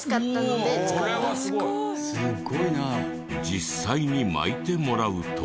実際に巻いてもらうと。